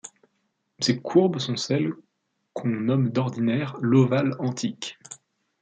Ces courbes sont celles qu'on nomme d'ordinaire l'ovale antique.